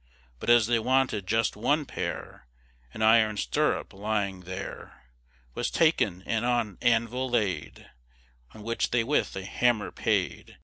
But as they wanted just one pair, An iron stirrup lying there Was taken and on anvil laid, On which they with a hammer paid.